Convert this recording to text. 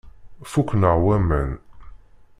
Fukken-aɣ waman.